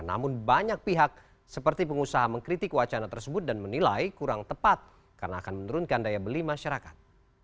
namun banyak pihak seperti pengusaha mengkritik wacana tersebut dan menilai kurang tepat karena akan menurunkan daya beli masyarakat